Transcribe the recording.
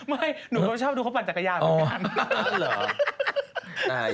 หนูก็ชอบดูเขาปั่นจักรยานเหมือนกัน